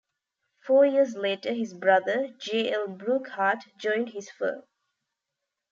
Four years later his brother, J. L. Brookhart, joined his firm.